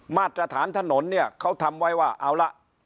มาตรฐานถนนเนี่ยเขาทำไว้ว่าเอาละ